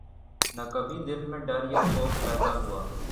نہ کبھی دل میں ڈر یا خوف پیدا ہوا